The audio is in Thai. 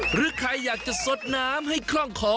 หรือใครอยากจะสดน้ำให้คล่องคอ